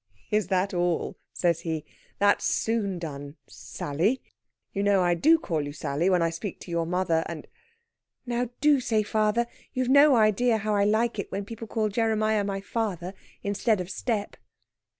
"Is that all?" says he. "That's soon done Sally! You know, I do call you Sally when I speak to your mother and...." "Now, do say father. You've no idea how I like it when people call Jeremiah my father, instead of step."